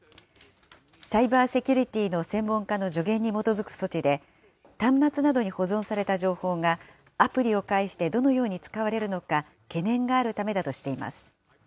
サイバーセキュリティーの専門家の助言に基づく措置で、端末などに保存された情報が、アプリを介してどのように使われるのか、懸念があるためだとしています。